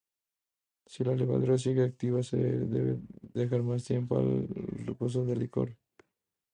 Si la levadura sigue activa, se debe dejar más tiempo el reposo del licor.